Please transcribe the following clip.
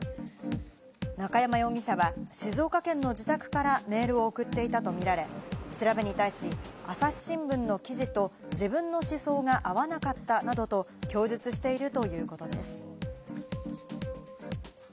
中山容疑者は静岡県の自宅からメールを送っていたとみられ、調べに対し、朝日新聞の記事と自分の思想が合わなかったなどと供述しているということです。